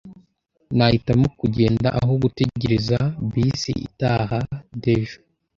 Nahitamo kugenda aho gutegereza bisi itaha. (Dejo)